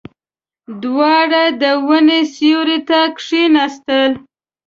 دواړه د ونې سيوري ته کېناستل.